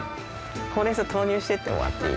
ほうれんそう投入していってもらっていい？